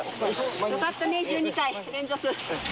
よかったね、１２回連続。